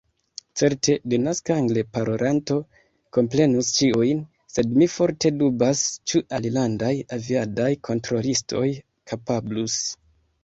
Certe, denaska angleparolanto komprenus ĉiujn, sed mi forte dubas, ĉu alilandaj aviadaj kontrolistoj kapablus.